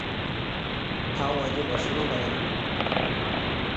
آن اڄ مصروف ائين